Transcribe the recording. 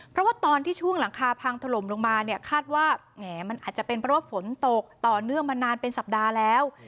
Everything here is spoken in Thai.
เพราะว่าตอนที่ช่วงหลังคาพังถล่มลงมาเนี่ยคาดว่าแหมมันอาจจะเป็นเพราะว่าฝนตกต่อเนื่องมานานเป็นสัปดาห์แล้ว